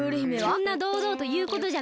そんなどうどうということじゃない！